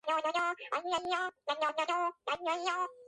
საიდუმლოს ამოხსნა მას მოახვედრებს არაბეთსა და ინდოეთში.